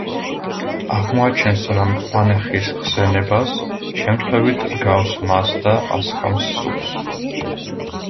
აღმოაჩენს რა მწვანე ხის ხსენებას, შემთხვევით რგავს მას და ასხამს სუპს.